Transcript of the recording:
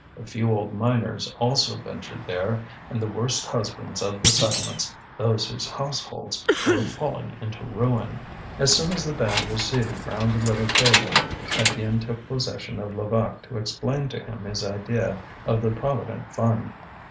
A few old miners also ventured there, and the worst husbands of the settlements, those whose households were falling into ruin. As soon as the band was seated round a little table, Étienne took possession of Levaque to explain to him his idea of the Provident Fund.